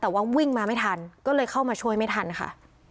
แต่ว่าวิ่งมาไม่ทันก็เลยเข้ามาช่วยไม่ทันค่ะ